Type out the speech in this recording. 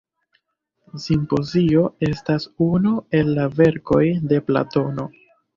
Simpozio estas unu el la verkoj de Platono.